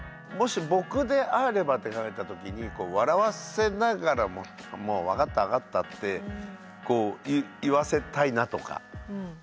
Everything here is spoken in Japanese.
もし僕であればって考えた時に笑わせながらも「もう分かった分かった」ってこう言わせたいなとか。